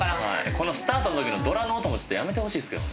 このスタートの時の銅鑼の音もちょっとやめてほしいですけどね。